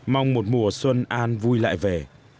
mong một mùa xuân an vui lại về